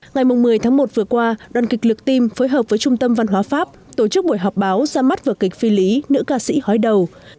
ngày một mươi tháng một vừa qua đoàn kịch lực tim phối hợp với trung tâm văn hóa pháp tổ chức buổi họp báo ra mắt vở kịch phi lý nữ ca sĩ hói đầu